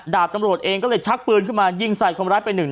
ดาบตำรวจเองก็เลยชักปืนขึ้นมายิงใส่คนร้ายไปหนึ่ง